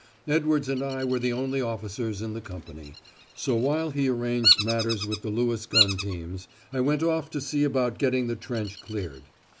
Edwards and I were the only officers in the company, so while he arranged matters with the Lewis gun teams, I went off to see about getting the trench cleared.